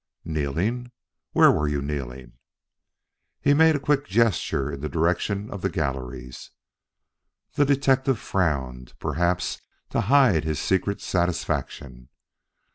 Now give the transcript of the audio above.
"Kneeling! Where were you kneeling?" He made a quick gesture in the direction of the galleries. The detective frowned, perhaps to hide his secret satisfaction.